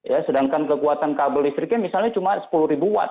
ya sedangkan kekuatan kabel listriknya misalnya cuma sepuluh ribu watt